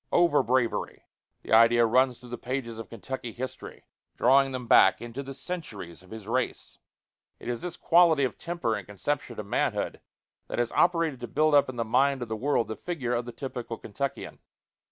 Over bravery! The idea runs through the pages of Kentucky history, drawing them back into the centuries of his race. It is this quality of temper and conception of manhood that has operated to build up in the mind of the world the figure of the typical Kentuckian.